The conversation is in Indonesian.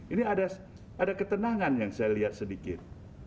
ini ada ketenangan yang saya lihat sedikit